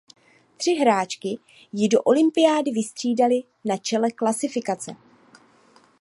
Tři hráčky ji do olympiády vystřídaly na čele klasifikace.